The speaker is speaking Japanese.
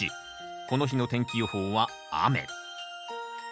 この日の天気予報は雨。